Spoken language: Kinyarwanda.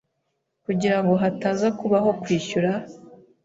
kugira ngo hataza kubaho kwishyura,